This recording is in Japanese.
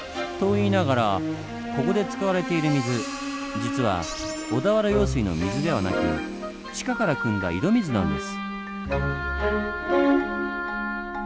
いいながらここで使われている水実は小田原用水の水ではなく地下からくんだ井戸水なんです。